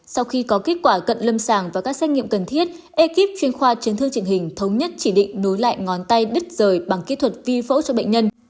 sau khi có kết quả cận lâm sàng và các xét nghiệm cần thiết ekip chuyên khoa chấn thương trình hình thống nhất chỉ định nối lại ngón tay đứt rời bằng kỹ thuật vi phẫu cho bệnh nhân